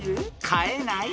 飼えない？